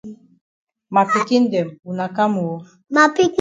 Ma pikin dem wuna kam oo.